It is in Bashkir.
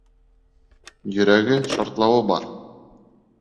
Йөрәге шартлауы бар.